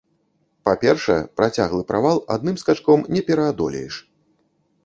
Па-першае, працяглы правал адным скачком не пераадолееш.